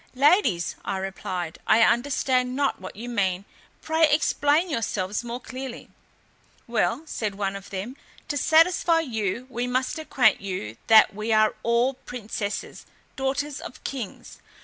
"Ladies," I replied, "I understand not what you mean; pray explain yourselves more clearly." "Well," said one of them, "to satisfy you, we must acquaint you that we are all princesses, daughters of kings.